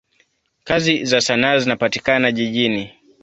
Kazi za sanaa zinapatikana jijini.